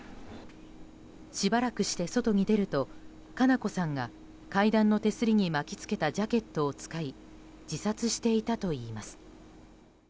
しばらくして外に出ると佳菜子さんが階段の手すりに巻き付けたジャケットを使い自殺していたといいます。